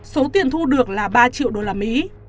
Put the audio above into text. số tiền thu được là ba triệu usd